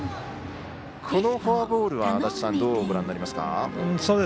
このフォアボールはどうご覧になりますか。